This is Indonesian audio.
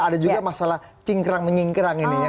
ada juga masalah cingkrang menyingkerang ini ya